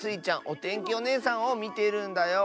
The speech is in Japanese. おてんきおねえさんをみてるんだよ。